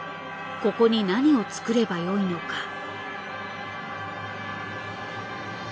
ここに何を作ればよいのか。